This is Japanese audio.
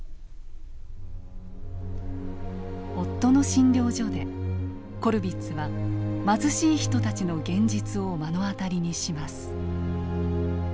夫の診療所でコルヴィッツは貧しい人たちの現実を目の当たりにします。